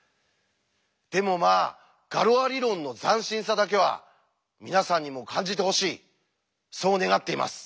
でもまあガロア理論の斬新さだけは皆さんにも感じてほしいそう願っています。